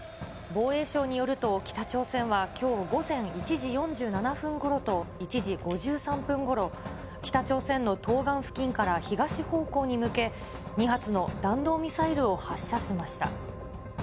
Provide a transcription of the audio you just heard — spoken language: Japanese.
防衛省によると、北朝鮮はきょう午前１時４７分ごろと１時５３分ごろ、北朝鮮の東岸付近から東方向に向け、２発の弾道ミサイルを発射しました。